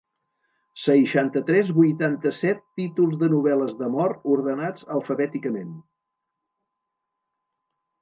Seixanta-tres vuitanta-set títols de novel·les d'amor, ordenats alfabèticament.